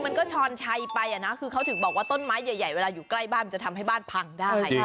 มันก็ช้อนชัยไปและเขาถึงบอกว่าต้นไม้ใกล้บ้านแก่งเป้าผ่านได้